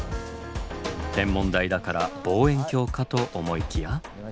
天文台だから望遠鏡かと思いきや。